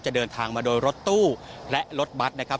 เดินทางมาโดยรถตู้และรถบัตรนะครับ